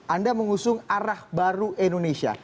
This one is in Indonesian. anda mengusung arah baru indonesia